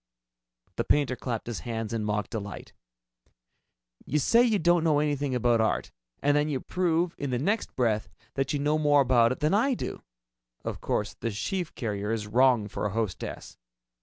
The painter clapped his hands in mock delight. "You say you don't know anything about art, and then you prove in the next breath that you know more about it than I do! Of course the sheave carrier is wrong for a hostess!